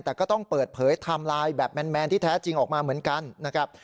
แต่ก็ต้องเปิดเผยไทม์ไลน์แบบแมนที่แท้จริงออกมาเหมือนกันนะครับ